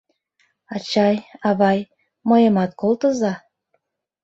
— Ачай, авай, мыйымат колтыза.